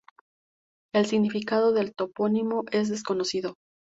El significado del topónimo es desconocido.